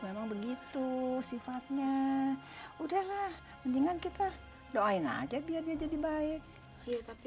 memang begitu sifatnya udahlah mendingan kita doain aja biar dia jadi baik tapi